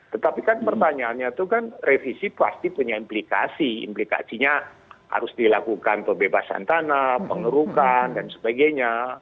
tetapi kan pertanyaannya itu kan revisi pasti punya implikasi implikasinya harus dilakukan pembebasan tanah pengerukan dan sebagainya